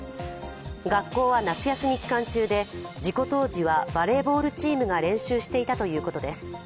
学校は夏休み期間中で、事故当時はバレーボールチームが練習していたということです。